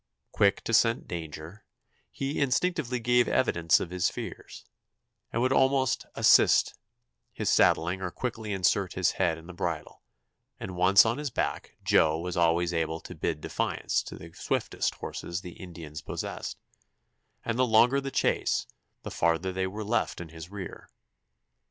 Quick to scent danger, he instinctively gave evidence of his fears, and would almost assist his saddling or quickly insert his head in the bridle, and once on his back Joe was always able to bid defiance to the swiftest horses the Indians possessed, and the longer the chase the farther they were left in his rear.